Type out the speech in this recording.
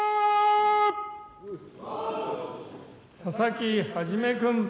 佐々木紀君。